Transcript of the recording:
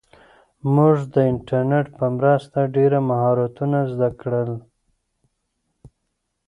موږ د انټرنیټ په مرسته ډېر مهارتونه زده کړل.